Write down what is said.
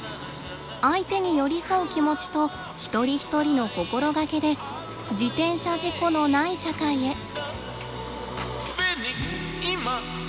相手に寄り添う気持ちと一人一人の心がけで自転車事故のない社会へ。